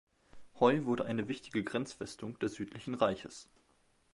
Hoi wurde eine wichtige Grenzfestung des südlichen Reiches.